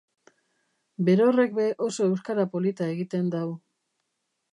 Berorrek be oso euskara polita egiten dau.